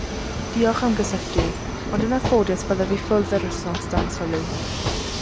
Diolch am gysylltu, ond yn anffodus byddaf i ffwrdd yr wythnos dan sylw.